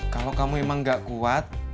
kalau kamu memang gak kuat